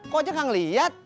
kok aja nggak ngeliat